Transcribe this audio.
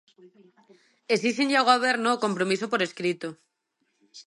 Esíxenlle ao Goberno o compromiso por escrito.